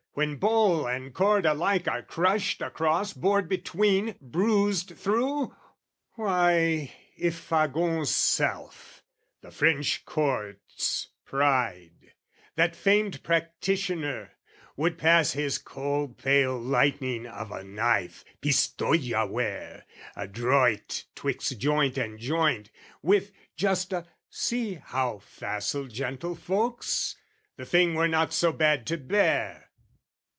When bowl and cord alike are crushed across, Bored between, bruised through? Why, if Fagon's self, The French Court's pride, that famed practitioner, Would pass his cold pale lightning of a knife Pistoja ware, adroit 'twixt joint and joint, With just a "See how facile, gentlefolks!" The thing were not so bad to bear!